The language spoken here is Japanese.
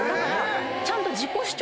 ちゃんと。